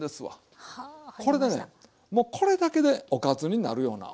これでねこれだけでおかずになるような。